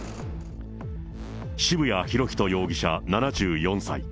渋谷博仁容疑者７４歳。